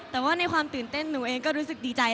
แต่ว่าในความตื่นเต้นหนูเองก็รู้สึกดีใจ